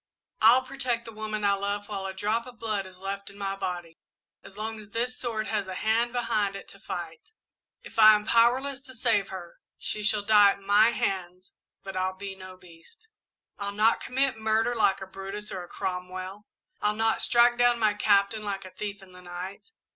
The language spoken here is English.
I'll protect the woman I love while a drop of blood is left in my body as long as this sword has a hand behind it to fight. If I am powerless to save her, she shall die at my hands, but I'll be no beast! "I'll not commit murder like a Brutus or a Cromwell. I'll not strike down my Captain like a thief in the night!